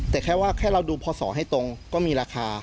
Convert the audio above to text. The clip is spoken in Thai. แต่แค่ว่าแค่เราดูพศให้ตรงก็มีราคา